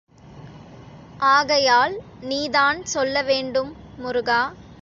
ஆகையால் நீதான் சொல்ல வேண்டும், முருகா!